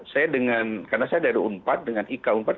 saya dengan karena saya dari unpad dengan ik unpad